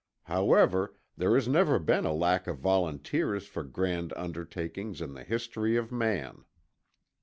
However, there has never been a lack of volunteers for grand undertakings in the history of man.